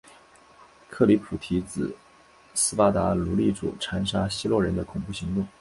克里普提指斯巴达奴隶主残杀希洛人的恐怖行动。